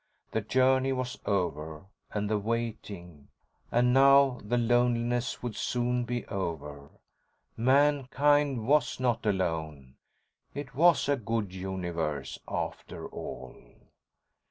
The journey was over, and the waiting, and now the loneliness would soon be over. Mankind was not alone. It was a good universe after all!